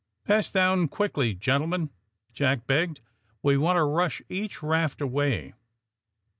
''Pass down quickly, gentlemen," Jack begged. "We want to rush each raft away."